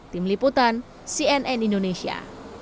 tim liputan cnn indonesia